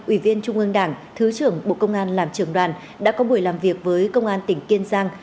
ủy viên trung ương đảng thứ trưởng bộ công an làm trưởng đoàn đã có buổi làm việc với công an tỉnh kiên giang